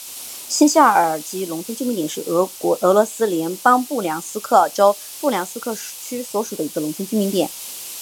新肖尔基农村居民点是俄罗斯联邦布良斯克州布良斯克区所属的一个农村居民点。